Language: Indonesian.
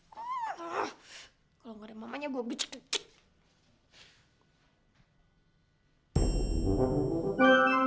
kalau gak ada mamanya gue becek becek